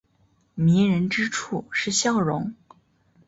迷人之处是笑容。